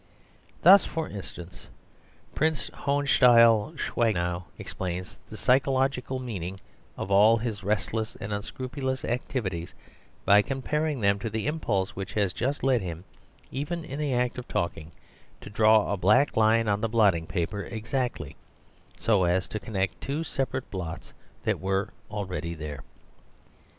Thus, for instance, Prince Hohenstiel Schwangau explains the psychological meaning of all his restless and unscrupulous activities by comparing them to the impulse which has just led him, even in the act of talking, to draw a black line on the blotting paper exactly, so as to connect two separate blots that were already there.